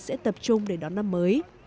sẽ tập trung để đón năm mới